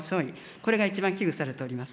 これが一番危惧されております。